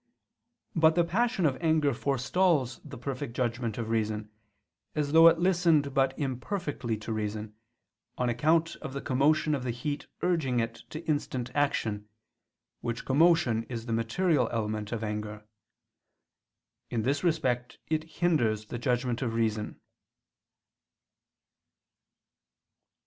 But the passion of anger forestalls the perfect judgment of reason, as though it listened but imperfectly to reason, on account of the commotion of the heat urging to instant action, which commotion is the material element of anger. In this respect it hinders the judgment of reason.